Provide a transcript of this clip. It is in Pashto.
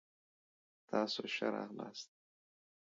تاسو ښه راغلاست.